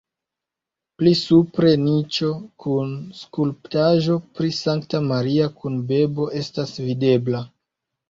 Pli supre niĉo kun skulptaĵo pri Sankta Maria kun bebo estas videbla.